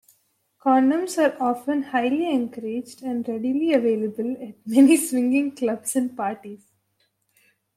Condoms are often highly encouraged and readily available at many swinging clubs and parties.